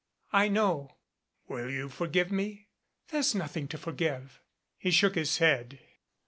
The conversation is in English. I know." "Will you forgive me?" "There's nothing to forgive." He shook his head.